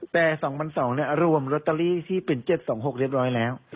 แต่๒๒๐๐รวมลอตเตอรี่ที่เป็น๗๒๖เรียบร้อยแล้ว